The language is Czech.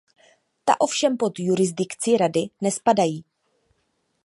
Ta ovšem pod jurisdikci rady nespadají.